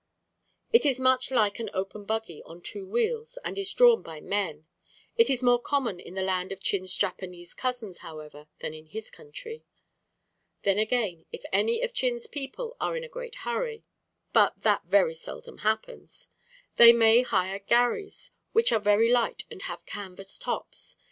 It is much like an open buggy on two wheels and is drawn by men. It is more common in the land of Chin's Japanese cousins, however, than in his country. Then, again, if any of Chin's people are in a great hurry (but that very seldom happens), they may hire gharries, which are very light and have canvas tops.